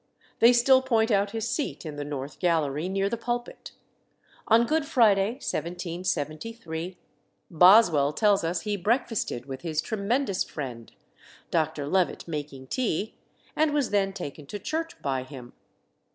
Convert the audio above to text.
They still point out his seat in the north gallery, near the pulpit. On Good Friday, 1773, Boswell tells us he breakfasted with his tremendous friend (Dr. Levett making tea), and was then taken to church by him.